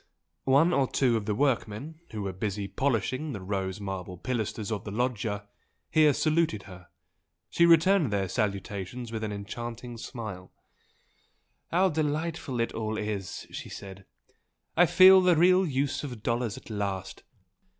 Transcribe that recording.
One or two of the workmen who were busy polishing the rose marble pilasters of the loggia, here saluted her she returned their salutations with an enchanting smile. "How delightful it all is!" she said "I feel the real use of dollars at last!